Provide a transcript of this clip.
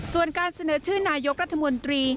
ส่วนการเสนอชื่อนายกรัฐมนตรี